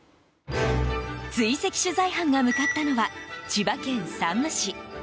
追跡取材班が向かったのは千葉県山武市。